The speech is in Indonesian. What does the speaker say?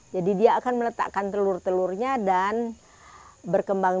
jadi dia akan menetapkan telur telurnya dan berkembang